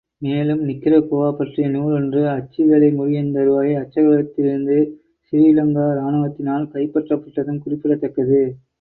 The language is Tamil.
மேலும், நிக்கரகுவா பற்றிய நூலொன்று அச்சு வேலை முடியுந்தறுவாயில் அச்சகத்திலிருந்து கிறீலங்காாணுவத்தினால் கைப்பற்றபட்டதும் குறிப்பிடத்தக்கது.